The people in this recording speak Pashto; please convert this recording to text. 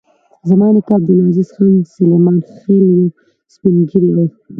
زما نیکه عبدالعزیز خان سلیمان خېل یو سپین ږیری و.